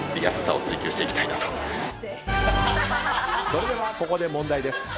それではここで問題です。